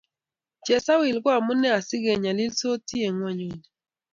Chesawil ko amune asike nyalilsoti eng' ng'wenyuni